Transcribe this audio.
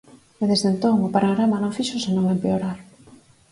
E desde entón o panorama non fixo senón empeorar.